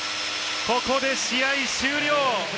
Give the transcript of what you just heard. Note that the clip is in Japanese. ここで試合終了！